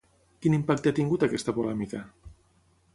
Quin impacte ha tingut aquesta polèmica?